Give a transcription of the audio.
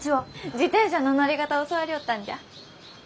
自転車の乗り方教わりょうったんじゃ。